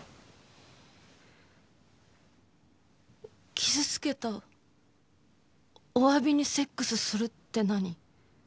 傷つけたおわびにセックスするって何？